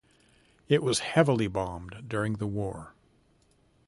It was heavily bombed during the war.